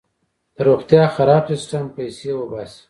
د روغتیا خراب سیستم پیسې وباسي.